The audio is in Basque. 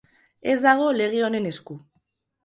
Ez dago lege honen esku.